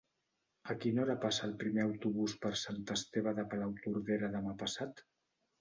A quina hora passa el primer autobús per Sant Esteve de Palautordera demà passat?